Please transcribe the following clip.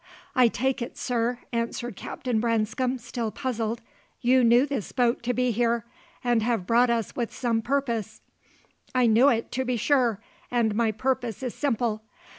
"I take it, sir," answered Captain Branscome, still puzzled, "you knew this boat to be here, and have brought us with some purpose." "I knew it, to be sure, and my purpose is simple.